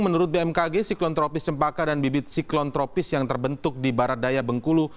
menurut bmkg siklon tropis cempaka dan bibit siklon tropis yang terbentuk di barat daya bengkulu